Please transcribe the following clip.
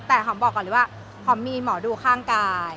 แต่หอมบอกก่อนเลยว่าหอมมีหมอดูข้างกาย